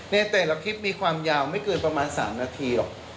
ในแต่ละคลิปมีความยาวไม่เกินประมาณ๓นาทีหรอก